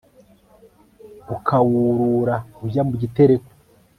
ukawurura ujya mu gitereko